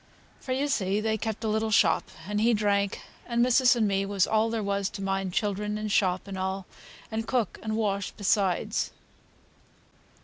For, you see, they kept a little shop, and he drank, and missis and me was all there was to mind children, and shop, and all, and cook and wash besides."